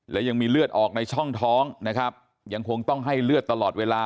และยังมีเลือดออกในช่องท้องนะครับยังคงต้องให้เลือดตลอดเวลา